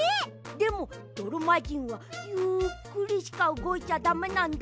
でもどろまじんはゆっくりしかうごいちゃだめなんだ。